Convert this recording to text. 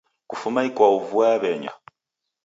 Kufuma ikwau vua yaw'enya